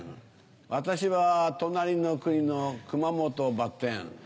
私は隣の国の熊本ばってん。